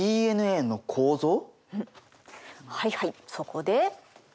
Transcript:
はいはいそこで。